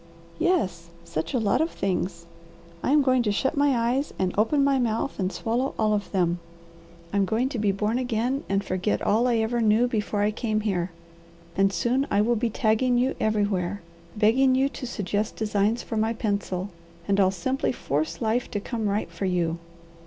"Yes, such a lot of things! I am going to shut my eyes and open my mouth and swallow all of them. I'm going to be born again and forget all I ever knew before I came here, and soon I will be tagging you everywhere, begging you to suggest designs for my pencil, and I'll simply force life to come right for you."